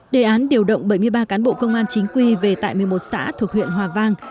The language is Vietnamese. đề án điều động bảy mươi ba cán bộ công an chính quy về tại một mươi một xã thuộc huyện hòa vang